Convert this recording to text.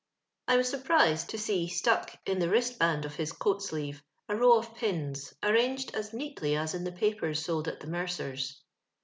I was surprised to see stuck in the wiist band of his coat sleeve a row of pius, arranged as neatly as in the papers sold at the mercers'.